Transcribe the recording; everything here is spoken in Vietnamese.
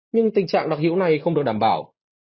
nhưng tình trạng đặc hữu này không được đảm bảo